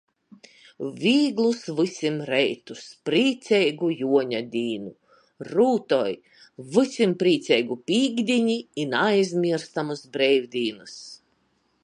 Vīglus vysim reitus!!! Prīceigu Juoņadīnu! Rūtoj! Vysim prīceigu pīktdīni i naaizmierstamys breivdīnys!